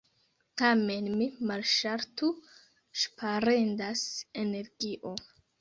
Tamen mi malŝaltu, ŝparendas energio.